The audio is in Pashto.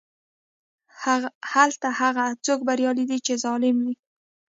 هلته هغه څوک بریالی دی چې ظالم وي.